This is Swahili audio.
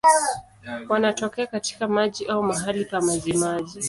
Wanatokea katika maji au mahali pa majimaji.